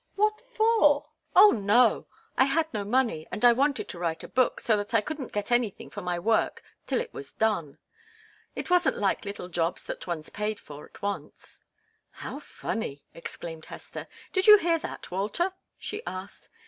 What for?" "Oh, no! I had no money, and I wanted to write a book, so that I couldn't get anything for my work till it was done. It wasn't like little jobs that one's paid for at once." "How funny!" exclaimed Hester. "Did you hear that, Walter?" she asked.